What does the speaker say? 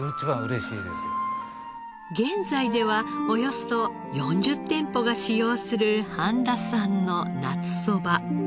現在ではおよそ４０店舗が使用する半田さんの夏そば。